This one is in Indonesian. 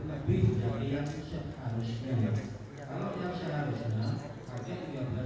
karena ada tambahan satu orang setan saya berangkat membayar tiga puluh juta